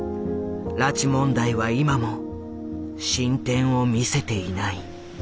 拉致問題は今も進展をみせていない。